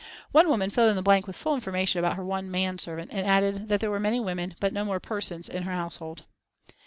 One woman filled in the blank with full information about her one man servant, and added that there were many women but no more persons in her household.